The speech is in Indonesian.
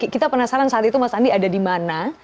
kita penasaran saat itu mas andi ada di mana